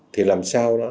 thì làm sao đó